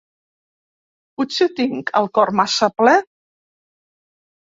Potser tinc el cor massa ple?